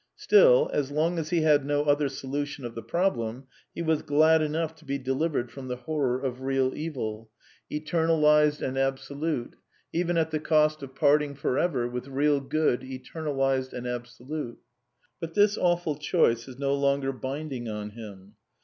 Still, as long as he had no other solution of the problem, he was glad enough to be delivered from the horror of real evil, eter 304 A DEFENCE OF IDEALISM nalized and absolute, even at the cost of parting for ever with real good, eternalized and absolute. But this awful choice is no longer binding on him.